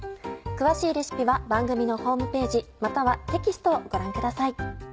詳しいレシピは番組のホームページまたはテキストをご覧ください。